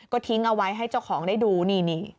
ก็ทิ้งเอาไว้ให้เจ้าของได้ดูนี่